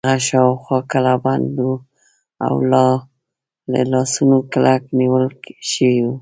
هغه شاوخوا کلابند و او له لاسونو کلک نیول شوی و.